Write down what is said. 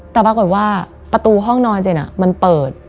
แต่ปรากฏว่าประตูห้องนอนเจนมันเปิด